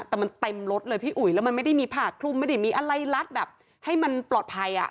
แต่มันเต็มรถเลยพี่อุ๋ยแล้วมันไม่ได้มีผ้าคลุมไม่ได้มีอะไรรัดแบบให้มันปลอดภัยอ่ะ